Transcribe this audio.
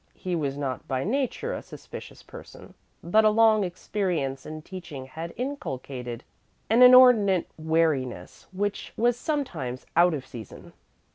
He was not by nature a suspicious person, but a long experience in teaching had inculcated an inordinate wariness which was sometimes out of season.